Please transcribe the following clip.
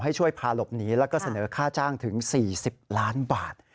ให้ช่วยพาหลบหนีแล้วก็เสนอค่าจ้างถึง๔๐ล้านบาท